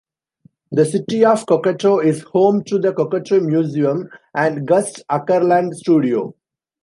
The city of Cokato is home to the Cokato Museum and Gust Akerlund Studio.